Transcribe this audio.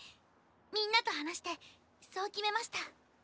みんなと話してそう決めました。